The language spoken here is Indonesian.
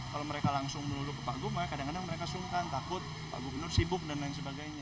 kalau mereka langsung melulu ke pak gumai kadang kadang mereka sungkan takut pak gubernur sibuk dan lain sebagainya